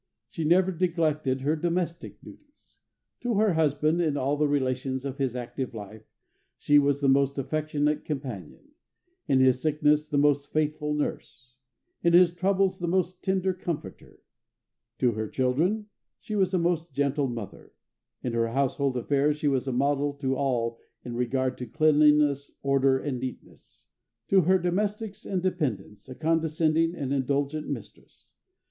She never neglected her domestic duties. To her husband, in all the relations of his active life, she was the most affectionate companion; in his sickness, the most faithful nurse; in his troubles, the most tender comforter: to her children, she was a most gentle mother; in her household affairs she was a model to all in regard to cleanliness, order, and neatness; to her domestics and dependants, a condescending and indulgent mistress.